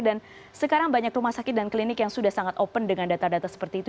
dan sekarang banyak rumah sakit dan klinik yang sudah sangat open dengan data data seperti itu